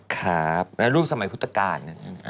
ครับแล้วรูปสมัยพุทธกาล